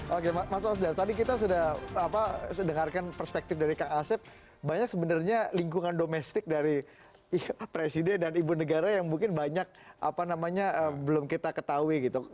oke mas osdar tadi kita sudah dengarkan perspektif dari kak asep banyak sebenarnya lingkungan domestik dari presiden dan ibu negara yang mungkin banyak apa namanya belum kita ketahui gitu